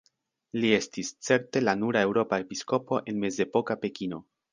Li estis certe la nura eŭropa episkopo en mezepoka Pekino.